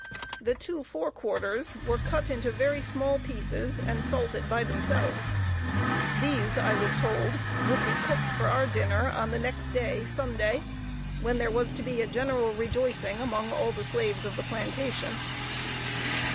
The two fore quarters were cut into very small pieces, and salted by themselves. These, I was told, would be cooked for our dinner on the next day (Sunday) when there was to be a general rejoicing among all the slaves of the plantation.